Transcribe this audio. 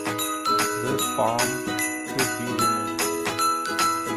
This bomb could be removed.